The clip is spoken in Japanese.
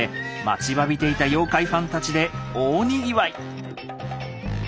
待ちわびていた妖怪ファンたちで大にぎわい。